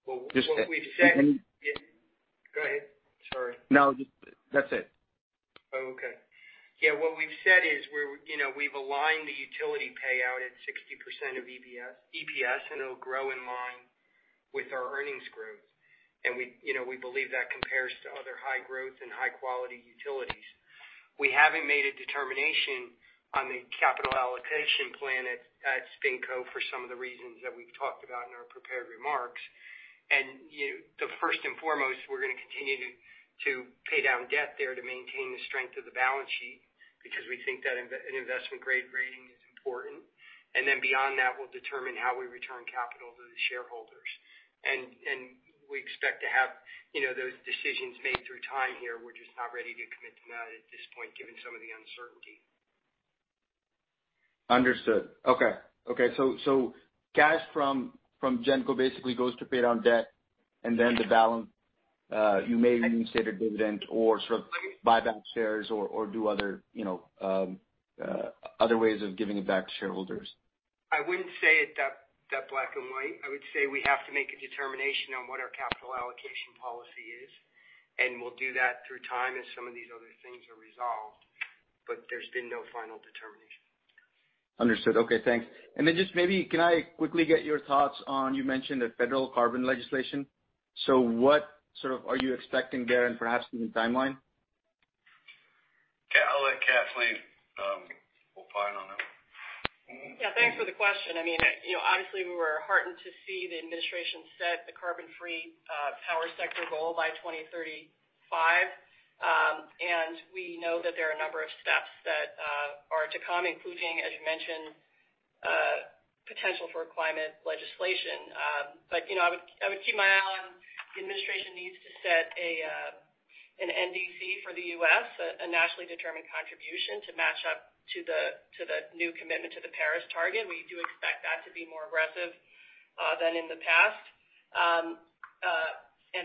What we've said. Go ahead. Sorry. No, that's it. Oh, okay. Yeah, what we've said is we've aligned the utility payout at 60% of EPS, and it'll grow in line with our earnings growth. We believe that compares to other high growth and high quality utilities. We haven't made a determination on the capital allocation plan at SpinCo for some of the reasons that we've talked about in our prepared remarks. The first and foremost, we're going to continue to pay down debt there to maintain the strength of the balance sheet, because we think that an investment-grade rating is important. Beyond that, we'll determine how we return capital to the shareholders. We expect to have those decisions made through time here. We're just not ready to commit to that at this point, given some of the uncertainty. Understood. Okay. Cash from GenCo basically goes to pay down debt, and then the balance, you may reinstate a dividend or sort of buy back shares or do other ways of giving it back to shareholders. I wouldn't say it that black and white. I would say we have to make a determination on what our capital allocation policy is, and we'll do that through time as some of these other things are resolved. But there's been no final determination. Understood. Okay, thanks. Then just maybe, can I quickly get your thoughts on, you mentioned the federal carbon legislation. What sort of are you expecting there and perhaps even timeline? Yeah. I'll let Kathleen opine on that one. Yeah, thanks for the question. Obviously, we were heartened to see the administration set the carbon-free power sector goal by 2035. We know that there are a number of steps that are to come, including, as you mentioned, potential for climate legislation. I would keep my eye on the administration needs to set an NDC for the U.S., a nationally determined contribution to match up to the new commitment to the Paris target. We do expect that to be more aggressive than in the past.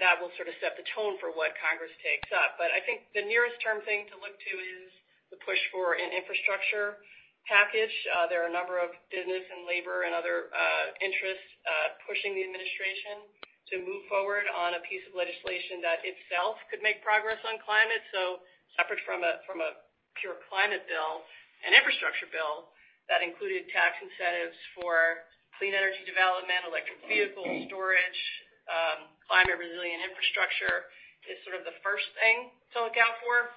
That will sort of set the tone for what Congress takes up. I think the nearest term thing to look to is the push for an infrastructure package. There are a number of business and labor and other interests pushing the administration to move forward on a piece of legislation that itself could make progress on climate. Separate from a pure climate bill, an infrastructure bill that included tax incentives for clean energy development, electric vehicle storage, climate resilient infrastructure is sort of the first thing to look out for.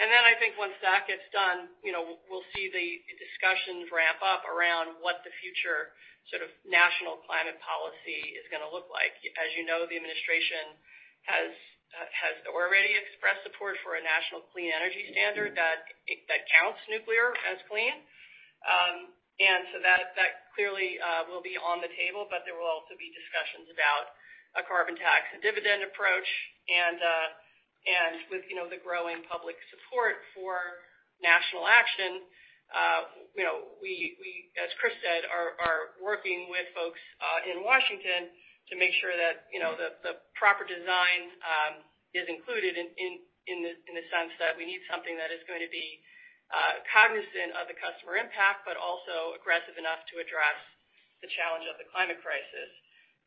Then I think once that gets done, we'll see the discussions ramp up around what the future sort of national climate policy is going to look like. As you know, the administration has already expressed support for a national clean energy standard that counts nuclear as clean. So that clearly will be on the table, but there will also be discussions about a carbon tax and dividend approach and with the growing public support for national action. We, as Chris said, are working with folks in Washington to make sure that the proper design is included in the sense that we need something that is going to be cognizant of the customer impact, but also aggressive enough to address the challenge of the climate crisis.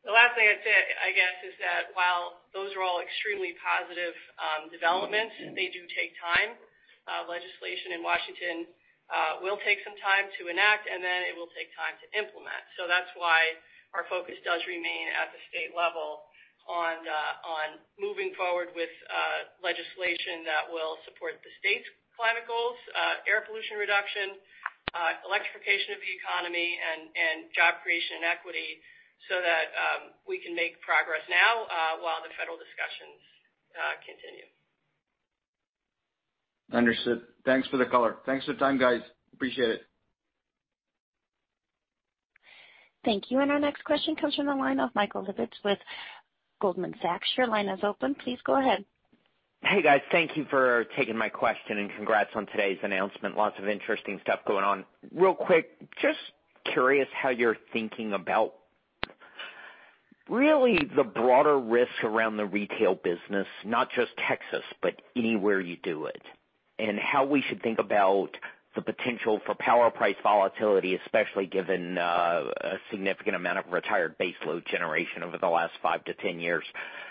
The last thing I'd say, I guess, is that while those are all extremely positive developments, they do take time. Legislation in Washington will take some time to enact, and then it will take time to implement. That's why our focus does remain at the state level on moving forward with legislation that will support the state's climate goals, air pollution reduction, electrification of the economy, and job creation and equity so that we can make progress now while the federal discussions continue. Understood. Thanks for the color. Thanks for the time, guys. Appreciate it. Thank you. Our next question comes from the line of Michael Lapides with Goldman Sachs. Your line is open. Please go ahead. Hey, guys. Thank you for taking my question and congrats on today's announcement. Lots of interesting stuff going on. Real quick, just curious how you're thinking about really the broader risks around the retail business, not just Texas, but anywhere you do it, and how we should think about the potential for power price volatility, especially given a significant amount of retired base load generation over the last 5-10 years.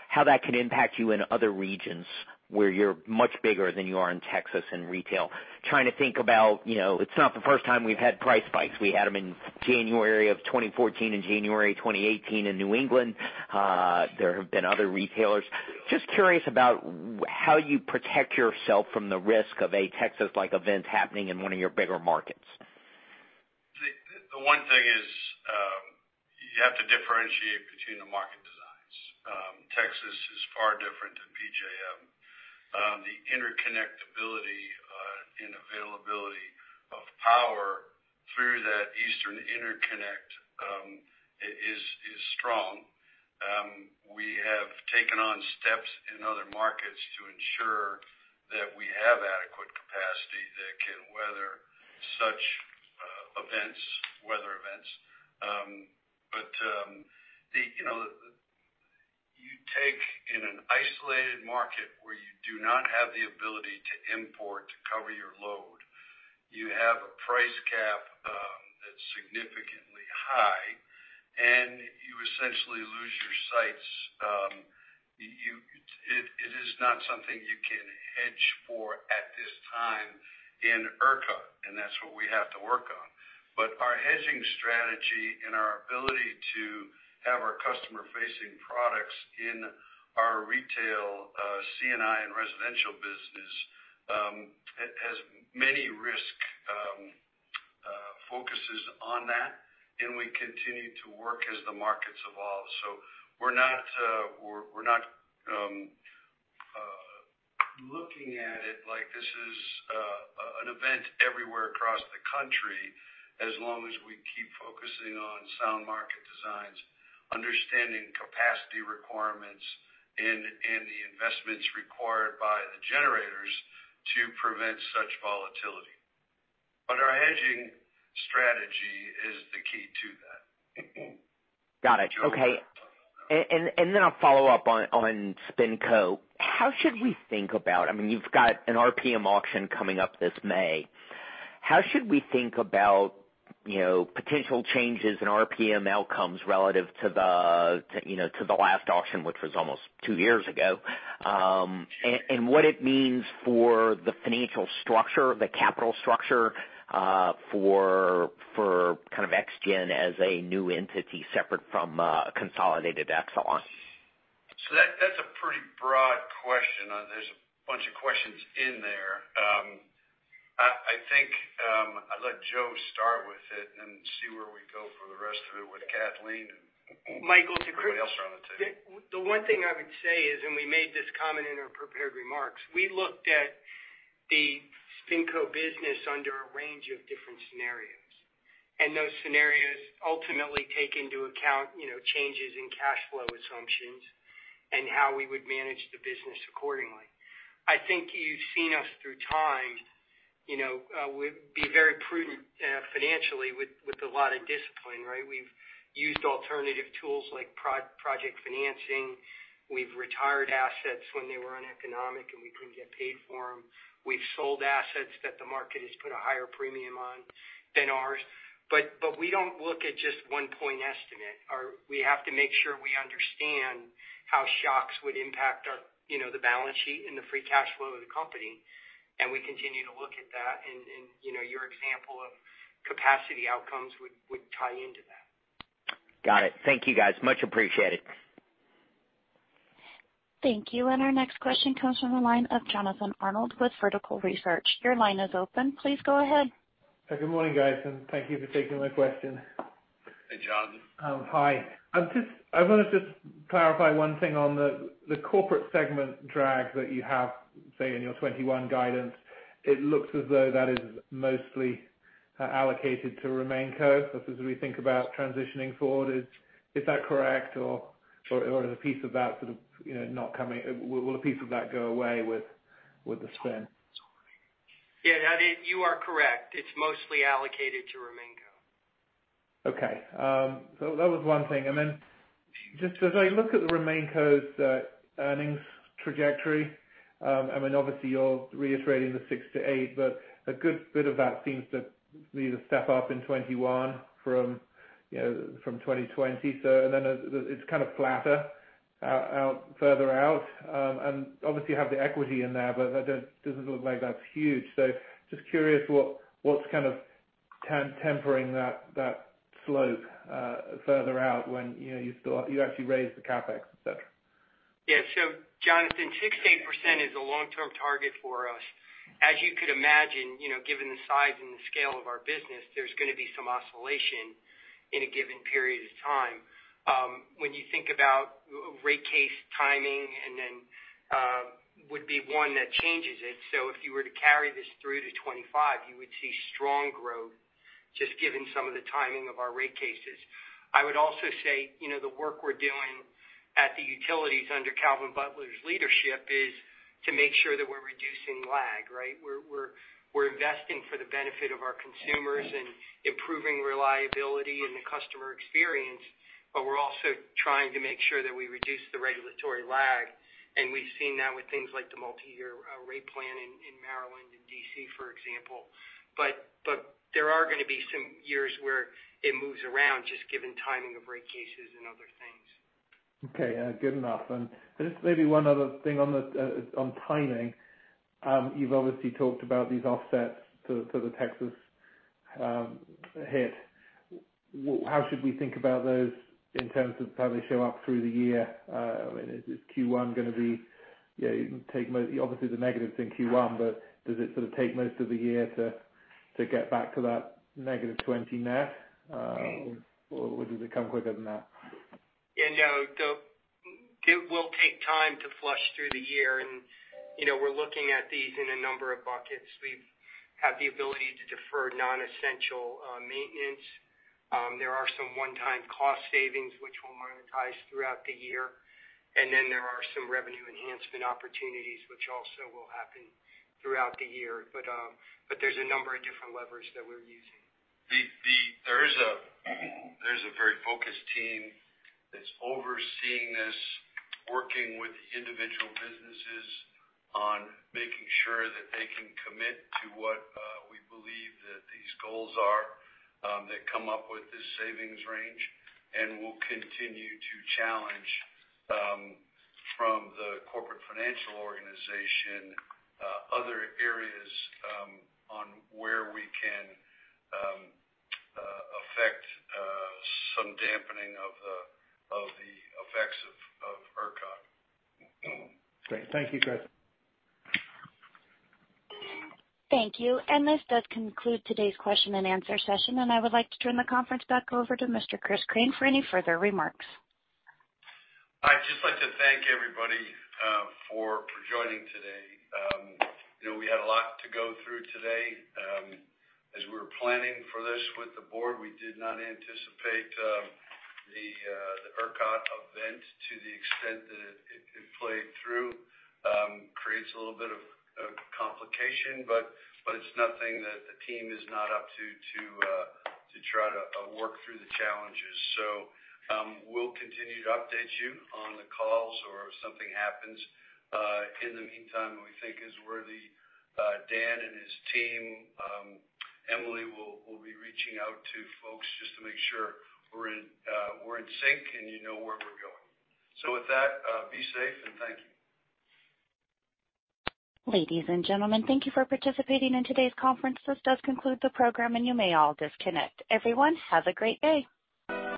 How that can impact you in other regions where you're much bigger than you are in Texas in retail. Trying to think about, it's not the first time we've had price spikes. We had them in January of 2014 and January 2018 in New England. There have been other retailers. Just curious about how you protect yourself from the risk of a Texas-like event happening in one of your bigger markets. The one thing is, you have to differentiate between the market designs. Texas is far different than PJM. The interconnectibility and availability of power through that eastern interconnect is strong. We have taken on steps in other markets to ensure that we have adequate capacity that can weather such weather events. You take in an isolated market where you do not have the ability to import to cover your load. You have a price cap that's significantly high, and you essentially lose your sights. It is not something you can hedge for at this time in ERCOT, and that's what we have to work on. Our hedging strategy and our ability to have our customer-facing products in our retail C&I and residential business has many risk focuses on that, and we continue to work as the markets evolve. We're not looking at it like this is an event everywhere across the country as long as we keep focusing on sound market designs, understanding capacity requirements, and the investments required by the generators to prevent such volatility. Our hedging strategy is the key to that. Got it. Okay. I'll follow up on SpinCo. How should we think about, I mean, you've got an RPM auction coming up this May. How should we think about potential changes in RPM outcomes relative to the last auction, which was almost two years ago? What it means for the financial structure, the capital structure for kind of ExGen as a new entity separate from consolidated Exelon? That's a pretty broad question. There's a bunch of questions in there. I think I'll let Joe start with it and see where we go for the rest of it with Kathleen. Michael. Anybody else around the table. The one thing I would say is, and we made this comment in our prepared remarks, we looked at the SpinCo business under a range of different scenarios. Those scenarios ultimately take into account changes in cash flow assumptions and how we would manage the business accordingly. I think you've seen us through time, we'd be very prudent financially with a lot of discipline, right? We've used alternative tools like project financing. We've retired assets when they were uneconomic, and we couldn't get paid for them. We've sold assets that the market has put a higher premium on than ours. We don't look at just one point estimate. We have to make sure we understand how shocks would impact the balance sheet and the free cash flow of the company, and we continue to look at that. Your example of capacity outcomes would tie into that. Got it. Thank you, guys. Much appreciated. Thank you. Our next question comes from the line of Jonathan Arnold with Vertical Research. Your line is open. Please go ahead. Good morning, guys, and thank you for taking my question. Hey, Jonathan. Hi. I want to just clarify one thing on the corporate segment drag that you have, say, in your 2021 guidance. It looks as though that is mostly allocated to RemainCo. As we think about transitioning forward, is that correct? Or will a piece of that go away with the spin? Yeah, you are correct. It's mostly allocated to RemainCo. Okay. That was one thing. Just as I look at the RemainCo's earnings trajectory, I mean, obviously you're reiterating the 6%-8%, but a good bit of that seems to be the step-up in 2021 from 2020. Then it's kind of flatter further out. Obviously, you have the equity in there, but that doesn't look like that's huge. Just curious what's kind of tempering that slope further out when you actually raised the CapEx, et cetera? Yeah. Jonathan, 6%-8% is a long-term target for us. As you could imagine, given the size and the scale of our business, there's going to be some oscillation in a given period of time. When you think about rate case timing and then would be one that changes it. If you were to carry this through to 2025, you would see strong growth, just given some of the timing of our rate cases. I would also say, the work we're doing at the utilities under Calvin Butler's leadership is to make sure that we're reducing lag, right? We're investing for the benefit of our consumers and improving reliability in the customer experience, but we're also trying to make sure that we reduce the regulatory lag, and we've seen that with things like the multi-year rate plan in Maryland and D.C., for example. There are going to be some years where it moves around, just given timing of rate cases and other things. Okay. Good enough. Just maybe one other thing on timing. You've obviously talked about these offsets to the Texas hit. How should we think about those in terms of how they show up through the year? Is Q1 going to be, obviously the negative's in Q1, but does it sort of take most of the year to get back to that -20 net? Would it come quicker than that? Yeah, no. It will take time to flush through the year, and we're looking at these in a number of buckets. We have the ability to defer non-essential maintenance. There are some one-time cost savings which we'll monetize throughout the year. There are some revenue enhancement opportunities which also will happen throughout the year. There's a number of different levers that we're using. There's a very focused team that's overseeing this, working with the individual businesses on making sure that they can commit to what we believe that these goals are, that come up with this savings range. We'll continue to challenge from the corporate financial organization other areas on where we can affect some dampening of the effects of ERCOT. Great. Thank you, guys. Thank you. This does conclude today's question and answer session, and I would like to turn the conference back over to Mr. Chris Crane for any further remarks. I'd just like to thank everybody for joining today. We had a lot to go through today. As we were planning for this with the board, we did not anticipate the ERCOT event to the extent that it played through. Creates a little bit of a complication, but it's nothing that the team is not up to try to work through the challenges. We'll continue to update you on the calls or if something happens in the meantime that we think is worthy. Dan and his team, Emily, will be reaching out to folks just to make sure we're in sync and you know where we're going. With that, be safe, and thank you. Ladies and gentlemen, thank you for participating in today's conference. This does conclude the program, and you may all disconnect. Everyone, have a great day.